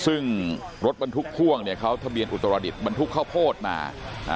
ซึ่งรถบรรทุกพ่วงเนี่ยเขาทะเบียนอุตรดิษฐบรรทุกข้าวโพดมาอ่า